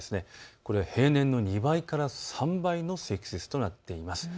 これ平年の２倍から３倍の積雪となっています。